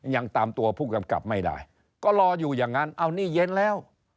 ยังตามตัวผู้กำกับไม่ได้ก็รออยู่อย่างนั้นเอานี่เย็นแล้ว